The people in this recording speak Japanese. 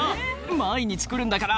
毎日来るんだから」